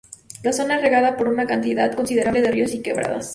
La zona es regada por una cantidad considerable de ríos y quebradas.